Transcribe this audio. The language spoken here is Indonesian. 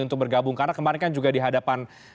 untuk bergabung karena kemarin kan juga di hadapan